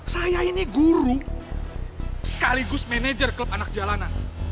saya ini guru sekaligus manajer klub anak jalanan